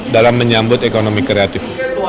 dalam menyambut ekonomi kreatif